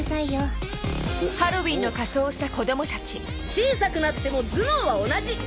小さくなっても頭脳は同じ。